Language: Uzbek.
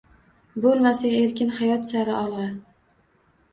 Bo`lmasa erkin hayot sari olg`a